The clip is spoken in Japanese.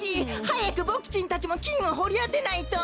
はやくボクちんたちもきんをほりあてないと！